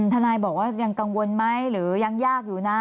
ทนายบอกว่ายังกังวลไหมหรือยังยากอยู่นะ